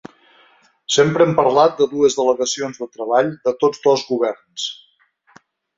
Sempre hem parlat de dues delegacions de treball de tots dos governs.